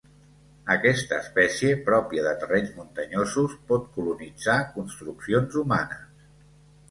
Aquesta espècie, pròpia de terrenys muntanyosos, pot colonitzar construccions humanes.